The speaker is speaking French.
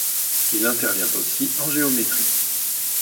Il intervient aussi en géométrie.